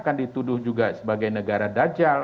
kan dituduh juga sebagai negara dajal